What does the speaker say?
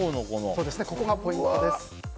そこがポイントです。